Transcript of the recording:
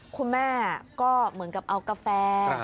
คุณแม่ก็เหมือนกับเอากาแฟ